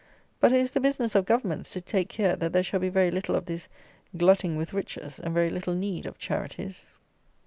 But it is the business of governments to take care that there shall be very little of this glutting with riches, and very little need of "charities."